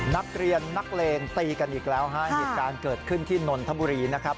นักเรียนนักเลงตีกันอีกแล้วฮะเหตุการณ์เกิดขึ้นที่นนทบุรีนะครับ